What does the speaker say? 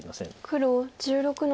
黒１６の一。